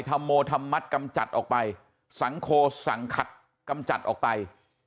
ธรรมโมธรรมัติกำจัดออกไปสังคมสังขัดกำจัดออกไป